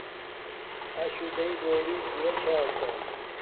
اِشݸ دئی بݸرݵک ہݸُیݳ چھݳ کݳ.